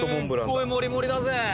すっごいモリモリだぜ！